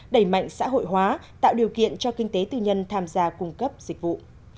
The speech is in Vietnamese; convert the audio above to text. đẩy mạnh xã hội hóa tạo điều kiện cho kinh tế tư nhân tham gia cung cấp dịch vụ